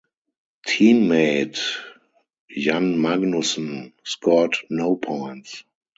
Teammate Jan Magnussen scored no points.